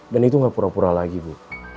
dan itu gak pura pura lagi bu